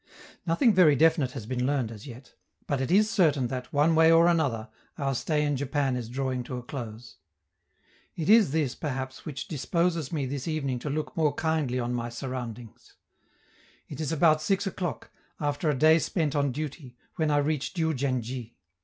Nothing very definite has been learned as yet, but it is certain that, one way or another, our stay in Japan is drawing to a close. It is this, perhaps, which disposes me this evening to look more kindly on my surroundings. It is about six o'clock, after a day spent on duty, when I reach Diou djen dji.